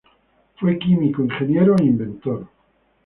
Fue químico, ingeniero e inventor.